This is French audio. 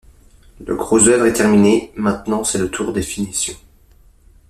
le gros œuvre est terminé, maintenant c'est le tour des finitions